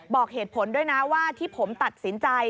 บอกเหตุผลด้วยนะว่าที่ผมตัดสินใจ